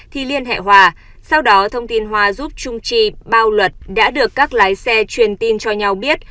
thì liên hệ hòa sau đó thông tin hoa giúp trung trì bao luật đã được các lái xe truyền tin cho nhau biết